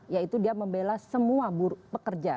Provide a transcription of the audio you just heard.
yaitu dia membela semua pekerja